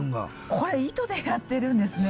これ糸でやってるんですね。